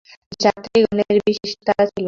যাত্রিগণের বিশেষ তাড়া ছিল না।